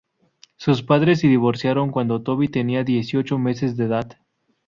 Sus padres se divorciaron cuando Toby tenía dieciocho meses de edad.